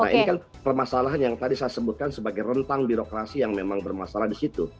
nah ini kan permasalahan yang tadi saya sebutkan sebagai rentang birokrasi yang memang bermasalah di situ